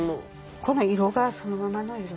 この色がそのままの色。